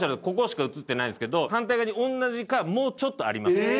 ここしか映ってないんですけど反対側に同じかもうちょっとあります。